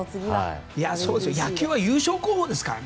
野球は優勝候補ですからね。